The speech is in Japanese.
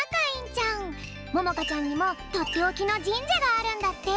ちゃんにもとっておきのじんじゃがあるんだって。